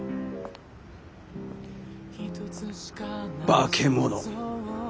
化け物。